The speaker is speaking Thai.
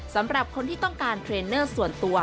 สำหรับคนที่ต้องการเทรนเนอร์ส่วนตัว